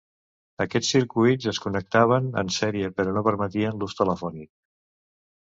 Aquests circuits es connectaven en sèrie, però no permetien l'ús telefònic.